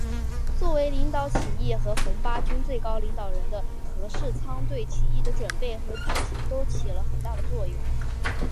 作为领导起义和红八军最高领导人的何世昌对起义的准备和举行都起了很大的作用。